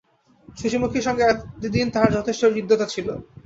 শশিমুখীর সঙ্গে এতদিন তাহার যথেষ্ট হৃদ্যতা ছিল।